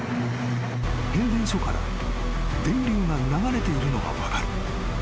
［変電所から電流が流れているのが分かる］